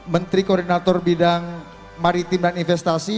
menteri koordinator bidang maritim dan investasi